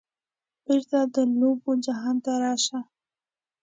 بیرته د لوبو جهان ته راشه